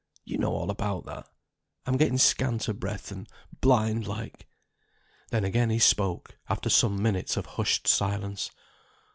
You know all about that I'm getting scant o' breath, and blind like." Then again he spoke, after some minutes of hushed silence.